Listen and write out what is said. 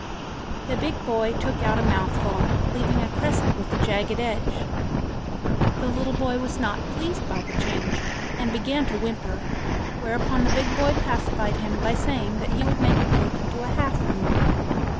The big boy took out a mouthful, leaving a crescent with jagged edge. The little boy was not pleased by the change, and began to whimper; whereupon the big boy pacified him by saying that he would make the cake into a half moon.